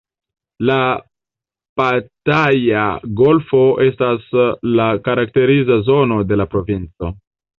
La Pataia Golfo estas la karakteriza zono de la provinco.